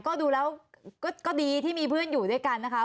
ก็ดูแล้วก็ดีที่มีเพื่อนอยู่ด้วยกันนะคะ